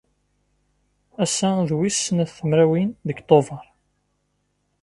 Ass-a d wis snat temrawin deg Tuber.